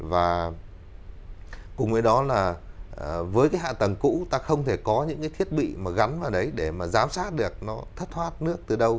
và cùng với đó là với cái hạ tầng cũ ta không thể có những cái thiết bị mà gắn vào đấy để mà giám sát được nó thất thoát nước từ đâu